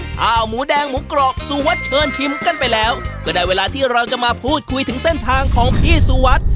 ข้าวหมูแดงหมูกรอกสุวัสดิ์เชิญชิมกันไปแล้วก็ได้เวลาที่เราจะมาพูดคุยถึงเส้นทางของพี่สุวัสดิ์